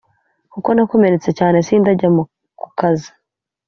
kuko nakomeretse cyane sindajya kukazi